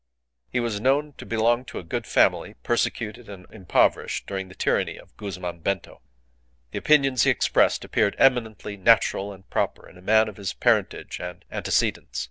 He was known to belong to a good family persecuted and impoverished during the tyranny of Guzman Bento. The opinions he expressed appeared eminently natural and proper in a man of his parentage and antecedents.